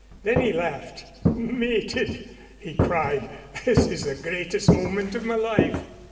Then he laughed. "Mated!" he cried. "This is the greatest moment of my life."